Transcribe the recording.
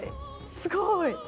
すごい！